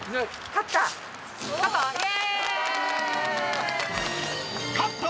勝った？